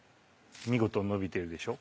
見事にのびてるでしょ。